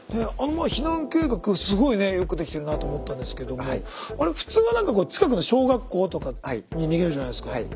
避難計画すごいねえよくできてるなと思ったんですけども普通は何かこう近くの小学校とかに逃げるじゃないですか。